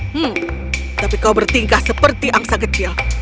hmm tapi kau bertingkah seperti angsa kecil